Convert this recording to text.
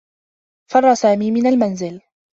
فرّ سامي من المنزل.